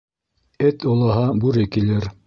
Эт олоһа, бүре килер.